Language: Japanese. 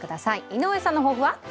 井上さんの抱負は？